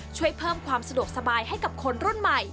ช่วยเพิ่มความสะดวกสบายให้กับคนรุ่นใหม่